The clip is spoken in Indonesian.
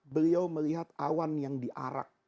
beliau melihat awan yang diarak